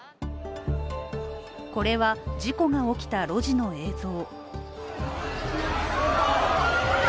これは事故が起きた路地の映像。